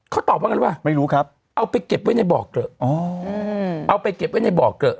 เขาตอบว่าไงรู้ป่ะไม่รู้ครับเอาไปเก็บไว้ในบ่อเกลอะอ๋อเอาไปเก็บไว้ในบ่อเกลอะ